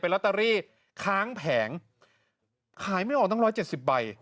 ลอตเตอรี่ค้างแผงขายไม่ออกตั้ง๑๗๐ใบ